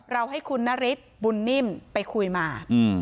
ให้คุณนฤทธิ์บุญนิ่มไปคุยมา